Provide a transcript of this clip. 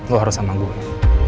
lo harus sama gue